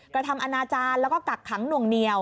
กระทำอนาจารย์แล้วก็กักขังหน่วงเหนียว